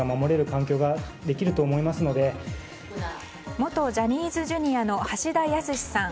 元ジャニーズＪｒ．の橋田康さん